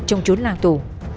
trong chốn làng tủ